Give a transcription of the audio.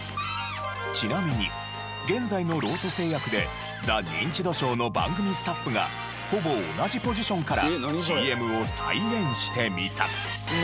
ちなみに現在のロート製薬で『ザ・ニンチドショー』の番組スタッフがほぼ同じポジションからＣＭを再現してみた。